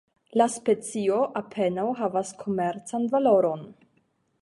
La specio apenaŭ havas komercan valoron.